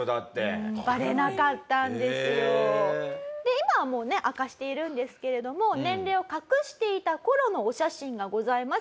今はもうね明かしているんですけれども年齢を隠していた頃のお写真がございます。